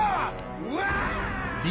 うわ！